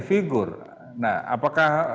figure nah apakah